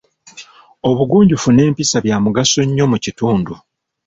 Obugunjufu n'empisa bya mugaso nnyo mu kitundu.